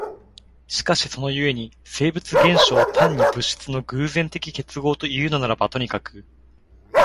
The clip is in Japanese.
しかしその故に生物現象を単に物質の偶然的結合というのならばとにかく、